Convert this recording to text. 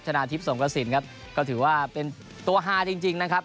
นาทิพย์สงกระสินครับก็ถือว่าเป็นตัวฮาจริงนะครับ